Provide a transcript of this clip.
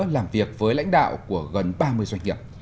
làm việc với lãnh đạo của gần ba mươi doanh nghiệp